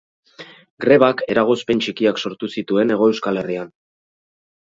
Grebak eragozpen txikiak sortu zituen Hego Euskal Herrian.